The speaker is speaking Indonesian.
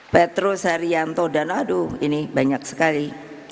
petro sarianto dan aduh ini banyak sekali